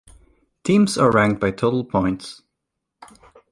Teams are ranked by total points.